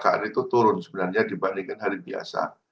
kecelakaan itu turun sebenarnya dibandingkan hari biasa